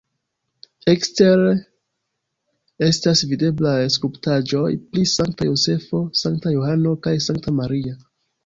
Ekstere estas videblaj skulptaĵoj pri Sankta Jozefo, Sankta Johano kaj Sankta Maria.